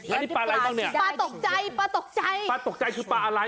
แล้วนี่ปลาอะไรบ้างเนี่ยปลาตกใจปลาตกใจปลาตกใจคือปลาอะไร